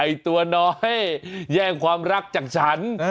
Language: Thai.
ตัวน้อยแย่งความรักจากฉัน